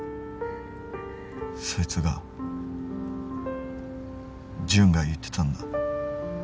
そいつがジュンが言ってたんだ。